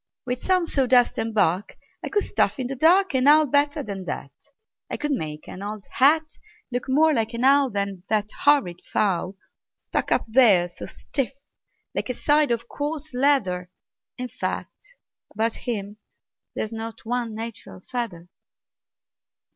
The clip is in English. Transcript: "With some sawdust and bark I could stuff in the dark An owl better than that. I could make an old hat Look more like an owl Than that horrid fowl, Stuck up there so stiff like a side of coarse leather. In fact, about him there's not one natural feather."